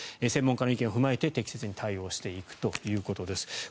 専門家の意見を踏まえて適切に対応していくということです。